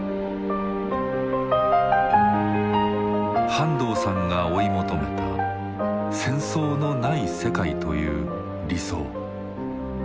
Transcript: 半藤さんが追い求めた「戦争のない世界」という理想。